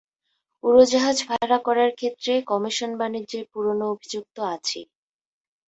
উড়োজাহাজ ভাড়া করার ক্ষেত্রে কমিশন বাণিজ্যের পুরোনো অভিযোগ তো আছেই।